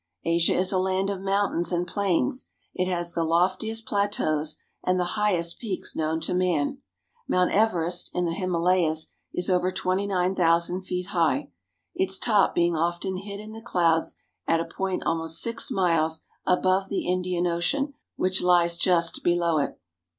Asia is a land of mountains and plains. It has the loftiest plateaus, and the highest peaks known to man. Mount Everest, in the Himalayas, is over twenty nine thousand feet high, its top being often hid in the clouds at a point almost six miles above the Indian Ocean which lies just below it.